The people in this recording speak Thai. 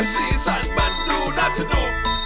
สีสันมันดูน่าสนุก